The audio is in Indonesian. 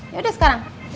ya udah sekarang